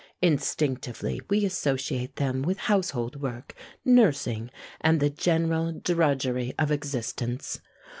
Instinctively we associate them with household work, nursing, and the general drudgery of existence.